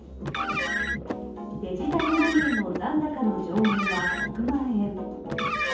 デジタルマネーの残高の上限は１００万円。